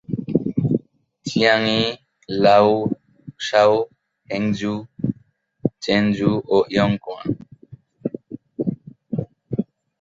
চিয়াং-ই, লাও-শাও, হেংজু, চেন-জু ও ইয়ং-কুয়ান।